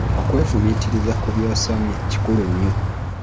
Okwefumiitiriza ku by'osomye Kikulu nnyo.